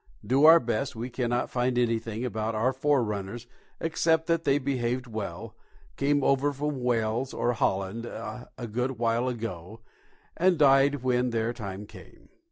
Do our best, we cannot find anything about our forerunners except that they behaved well, came over from Wales or Holland a good while ago, and died when their time came.